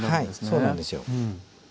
そうなんですよ。